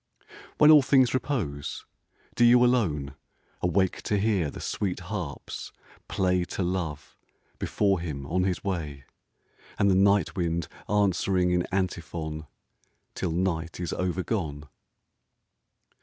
When all things repose do you alone Awake to hear the sweet harps play To Love before him on his way, And the night wind answering in antiphon Till night is overgone